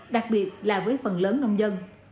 đặc biệt là với phần lớn nông dân